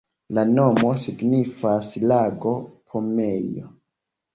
La nomo signifas lago-pomejo.